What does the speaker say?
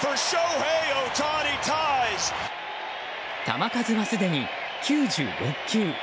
球数はすでに９６球。